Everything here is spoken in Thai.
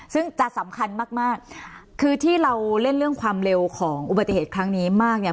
ซึ่งจะสำคัญมากมากคือที่เราเล่นเรื่องความเร็วของอุบัติเหตุครั้งนี้มากเนี่ย